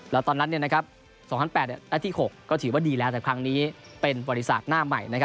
แล้วตอนนั้น๒๐๐๘ได้ที่๖ก็ถือว่าดีแล้วแต่ครั้งนี้เป็นบริษัทหน้าใหม่